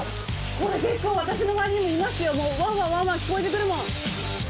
これ結構、私の周りにもいますよ、わーわーわーわー聞こえてくるもん。